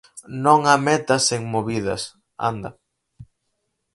Non a metas en movidas, anda.